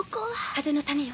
風の谷よ